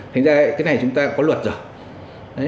thành ra cái này chúng ta có luật rồi